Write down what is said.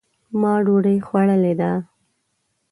ما ډوډۍ خوړلې ده